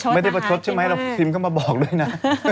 ไม่ได้ประชดใช่ไหมเราพิมพ์เข้ามาบอกด้วยนะ